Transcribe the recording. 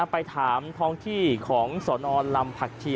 ไปถามท้องที่ของสนลำผักชี